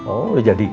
oh udah jadi